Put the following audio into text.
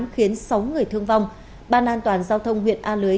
khiến sáu người thương vong ban an toàn giao thông huyện a lưới